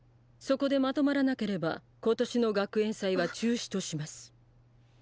そこでまとまらなければ今年の学園祭は中止とします。